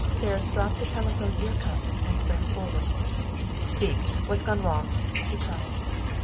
Ferris dropped the telephone ear cup and sprang forward. "Speak! What's gone wrong?" he cried.